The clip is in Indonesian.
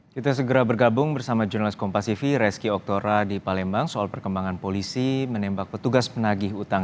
kita segera bergabung bersama jurnalis kompasiv reski oktora di palembang soal perkembangan polisi menembak petugas penagih utang